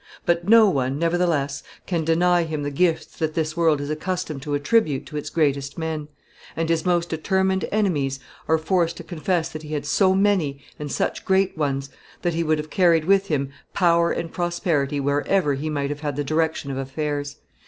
But no one, nevertheless, can deny him the gifts that this world is accustomed to attribute to its greatest men; and his most determined enemies are forced to confess that he had so many and such great ones, that he would have carried with him power and prosperity wherever he might have had the direction of affairs.